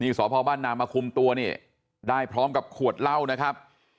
สพบ้านนามาคุมตัวนี่ได้พร้อมกับขวดเหล้านะครับ